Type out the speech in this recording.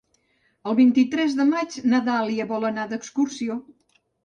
El vint-i-tres de maig na Dàlia vol anar d'excursió.